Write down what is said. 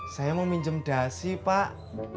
saya mau minjem dasi pak